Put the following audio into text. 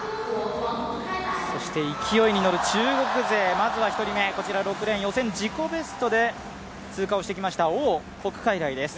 そして勢いに乗る中国勢、まずは１人目、６レーン、予選自己ベストで通過をしてきました王谷開来です。